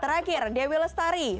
terakhir dewi lestari